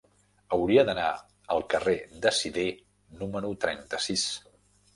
Hauria d'anar al carrer de Sidé número trenta-sis.